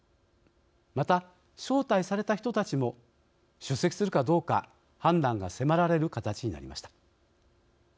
また、招待された人たちも出席するかどうか判断が迫られる形になりました。